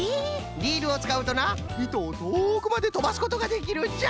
リールをつかうとないとをとおくまでとばすことができるんじゃ。